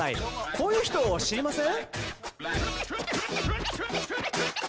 「こういう人知りません？」